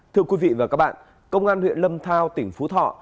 thưa quý vị và các bạn công an huyện lâm thao tỉnh phú thọ